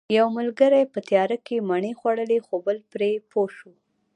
یو ملګری په تیاره کې مڼې خوړلې خو بل پرې پوه شو